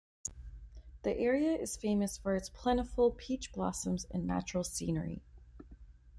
The area is famous for its plentiful peach blossoms and natural scenery.